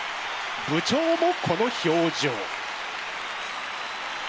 部長もこの表情。